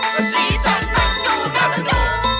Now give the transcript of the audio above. มันไม่ใช่รถตุกตุกมันรถมหาสนุก